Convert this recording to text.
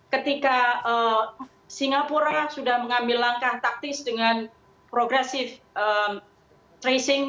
ketika singapura sudah mengambil langkah taktis dengan progresif tracing